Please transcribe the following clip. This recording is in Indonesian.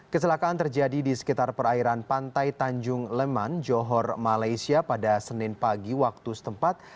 kecelakaan terjadi di sekitar perairan pantai tanjung leman johor malaysia pada senin pagi waktu setempat